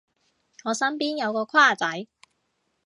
我身邊有個跨仔